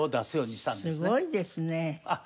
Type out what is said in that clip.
すごいですね。